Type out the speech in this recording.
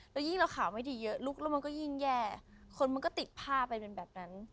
แล้วยิ่งเราข่าวไม่ดีเยอะลุกแล้วมันก็ยิ่งแย่คนมันก็ติดผ้าไปเป็นแบบนั้น